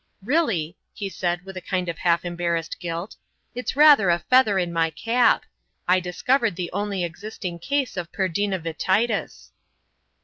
Really," he added, with a kind of half embarrassed guilt, "it's rather a feather in my cap. I discovered the only existing case of perdinavititis."